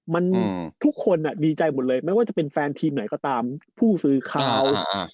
มันทุกคนดีใจหมดเลยไม่ว่าจะเป็นแฟนทีมไหนก็ตามผู้ซื้อเขา